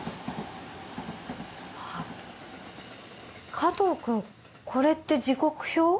加藤君これって時刻表？